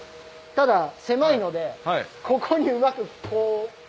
ただ狭いのでここにうまくこう。